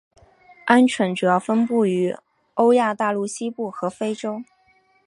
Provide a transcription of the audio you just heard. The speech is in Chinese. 鹌鹑主要分布于欧亚大陆西部和非洲。